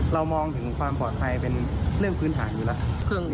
เรามองถึงความปลอดภัยเป็นเรื่องพื้นฐานอยู่แล้ว